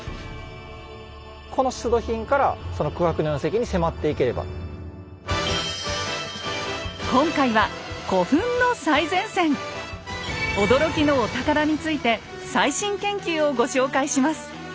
この出土品から今回は驚きのお宝について最新研究をご紹介します。